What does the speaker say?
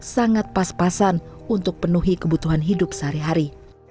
sangat pas pasan untuk penuhi kebutuhan hidup sehari hari